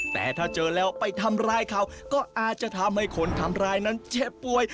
แต่ถ้าเจอแล้วไปทำร้ายเขาก็อาจจะทำให้คนทำร้ายนั้นเจ็บป่วย